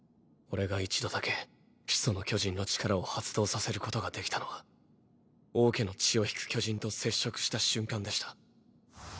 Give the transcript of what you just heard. オレが一度だけ「始祖の巨人」の力を発動させることができたのは「王家の血を引く巨人」と接触した瞬間でした。